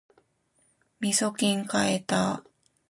みそきん買えた